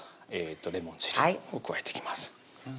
レモン汁を加えていきます